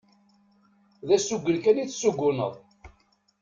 D asugen kan i tessuguneḍ.